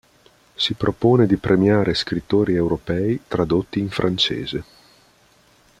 Si propone di premiare scrittori europei tradotti in Francese.